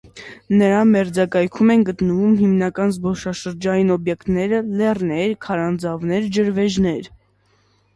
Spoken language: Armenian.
Նրա մերձակայքում են գտնվում հիմնական զբոսաշրջային օբյեկտները՝ լեռներ, քարանձավներ, ջրվեժներ։